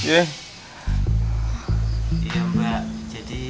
iya mbak jadi